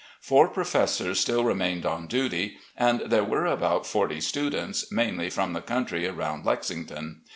Four professors still remained on duty, and there were about forty students, mainly from the country around Lexington.